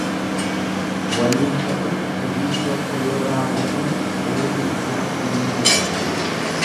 Waliin ta'uun hojiin tokko yoo raawwatame xumurri isaa ni miidhaga.